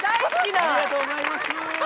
ありがとうございます。